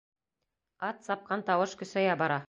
Ат сапҡан тауыш көсәйә бара.